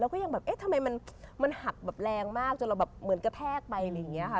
ก็ยังแบบเอ๊ะทำไมมันหักแบบแรงมากจนเราแบบเหมือนกระแทกไปอะไรอย่างนี้ค่ะ